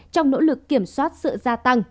trong nỗ lực kiểm soát sự gia tăng